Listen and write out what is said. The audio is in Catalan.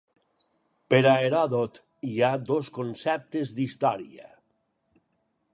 Per a Heròdot, hi ha dos conceptes d'història.